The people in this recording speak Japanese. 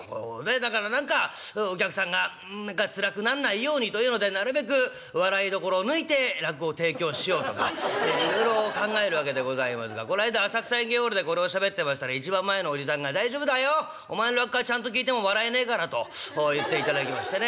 だから何かお客さんがつらくなんないようにというのでなるべく笑いどころを抜いて落語を提供しようとかいろいろ考えるわけでございますがこの間浅草演芸ホールでこれをしゃべってましたら一番前のおじさんが「大丈夫だよお前の落語はちゃんと聴いても笑えねえから」と言っていただきましてね